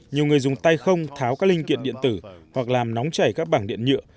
nhiều người dùng tay không tháo các linh kiện điện tử hoặc làm nóng chảy các bảng điện nhựa